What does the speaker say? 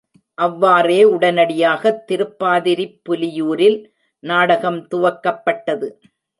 அவ்வாறே உடனடியாகத் திருப்பாதிரிப்புலியூரில் நாடகம் துவக்கப்பட்டது.